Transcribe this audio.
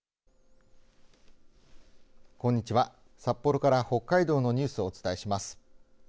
こんにちは札幌から北海道のニュースをお伝えします。